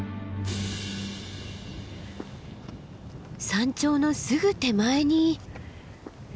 山頂のすぐ手前に。